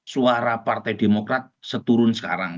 suara partai demokrat seturun sekarang